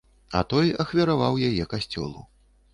А той ахвяраваў яе касцёлу.